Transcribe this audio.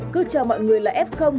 cứ cho mọi người là f